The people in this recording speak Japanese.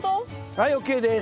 はいＯＫです。